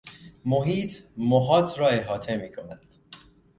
محیط، محاط را احاطه میکند